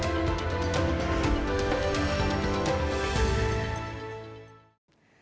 dan kepentingan pendidikan yang baik